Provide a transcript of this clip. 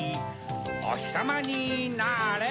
おひさまになれ。